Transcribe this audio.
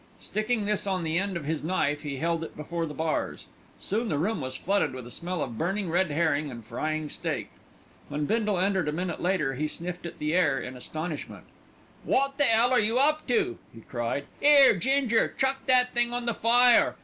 Sticking this on the end of his knife he held it before the bars. Soon the room was flooded with a smell of burning red herring and frying steak. When Bindle entered a minute later he sniffed at the air in astonishment. "Wot the 'ell are you up to?" he cried. "'Ere, Ginger, chuck that thing on the fire.